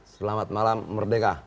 selamat malam merdeka